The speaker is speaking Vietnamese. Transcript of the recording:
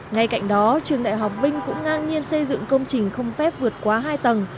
ngay cạnh đó trường đại học vinh cũng ngang nhiên xây dựng công trình không phép vượt quá hai tầng